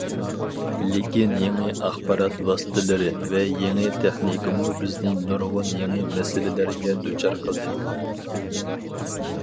لېكىن يېڭى ئاخبارات ۋاسىتىلىرى ۋە يېڭى تېخنىكىمۇ بىزنى نۇرغۇن يېڭى مەسىلىلەرگە دۇچار قىلدى.